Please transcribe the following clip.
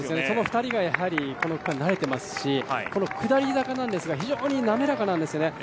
その２人がこの区間は慣れていますし下り坂ですが非常に滑らかなんですよね。